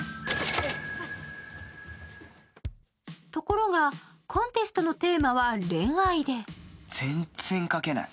ところが、コンテストのテーマは恋愛で全然書けない。